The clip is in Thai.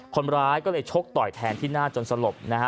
คนร้ายก็เลยชกต่อยแทนที่หน้าจนสลบนะฮะ